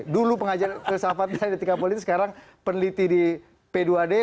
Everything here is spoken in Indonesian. dulu pengajar filsafat dan detika politik sekarang peneliti di p dua d